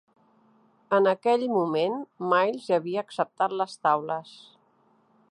En aquell moment, Miles ja havia acceptat les taules.